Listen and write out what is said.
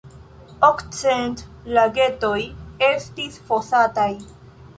Okcent lagetoj estis fosataj.